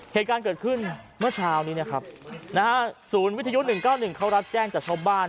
เหตุการณ์เกิดขึ้นเมื่อเช้านี้นะครับศูนย์วิทยุ๑๙๑เขารับแจ้งจากชาวบ้าน